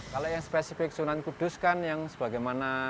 kalau yang spesifik sunan kudus kan yang sebagaimana